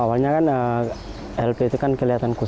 awalnya kan lp itu kan kelihatan kuat